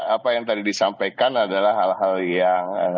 apa yang tadi disampaikan adalah hal hal yang